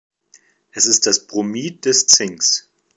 Es ist das Bromid des Zinks.